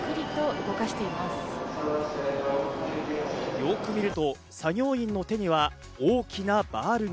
よく見ると作業員の手には大きなバールが。